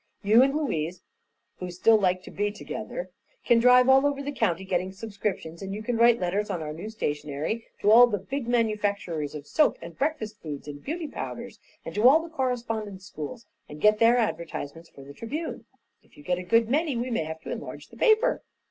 "You and Louise, who still like to be together, can drive all over the county getting subscriptions, and you can write letters on our new stationery to all the big manufacturers of soaps and breakfast foods and beauty powders and to all the correspondence schools and get their advertisements for the Tribune. If you get a good many, we may have to enlarge the paper."